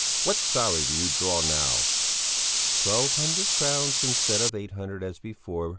What salary do you draw now?" "Twelve hundred crowns instead of eight hundred as before.